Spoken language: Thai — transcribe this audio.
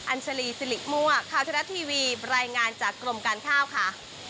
ัญชาลีสิริมั่วข่าวทรัฐทีวีรายงานจากกรมการข้าวค่ะ